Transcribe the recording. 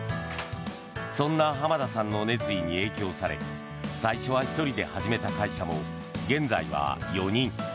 そんな濱田さんの熱意に影響され最初は１人で始めた会社も現在は４人。